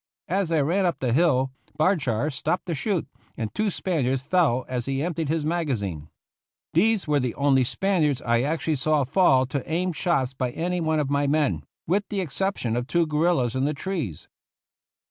As I ran up to the hill, Bardshar stopped to shoot, and two Spaniards fell as he emptied his magazine. These were the only Spaniards I actually saw fall to aimed shots by any one of my men, with the ex ception of two guerillas in trees.